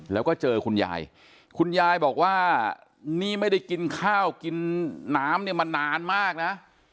แล้วก็เจอคุณยายคุณยายบอกว่านี่ไม่ได้กินข้าวกินน้ำเนี่ยมานานมากนะ